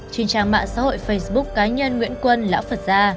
trên trang mạng xã hội facebook cá nhân nguyễn quân lão phật gia